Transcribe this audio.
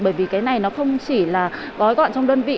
bởi vì cái này nó không chỉ là gói gọn trong đơn vị